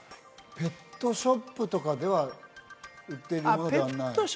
ペットショップとかでは売っているものではない？